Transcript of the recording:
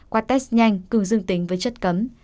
qua test nhanh cường dưng tính với chất cấm